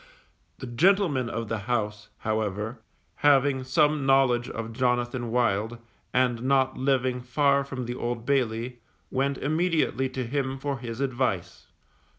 The gentleman of the house, however, having some knowledge of Jonathan Wild, and not living far from the Old Bailey, went immediately to him for his advice.